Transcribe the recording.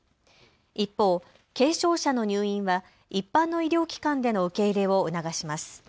一方、軽症者の入院は一般の医療機関での受け入れを促します。